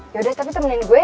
yaudah tapi temenin gue